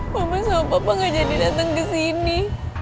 mama sama papa gak jadi datang kesini